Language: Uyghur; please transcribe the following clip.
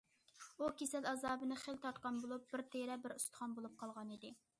ئۇ كېسەل ئازابىنى خېلى تارتقان بولۇپ، بىر تېرە، بىر ئۇستىخان بولۇپ قالغانىدى.